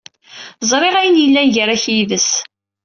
Ẓriɣ ayen yellan gar-ak yid-s.